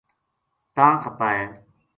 تاں خپا ہے